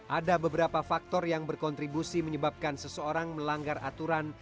ada beberapa faktor yang berkontribusi menyebabkan seseorang melanggar aturan